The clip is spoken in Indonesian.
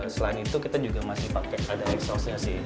selain itu kita juga masih pakai ada exhaustnya sih